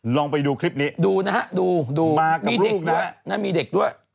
ลองไปดูคลิปนี้ดูนะฮะดูดูมากับลูกนะฮะนี่เด็กด้วยน่ามีเด็กด้วย